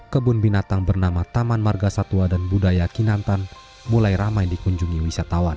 kebun binatang bernama taman marga satwa dan budaya kinantan mulai ramai dikunjungi wisatawan